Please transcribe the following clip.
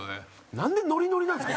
なんでノリノリなんですか？